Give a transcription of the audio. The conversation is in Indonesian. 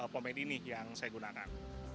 komedi ini yang saya gunakan